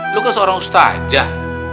lu kan seorang ustazah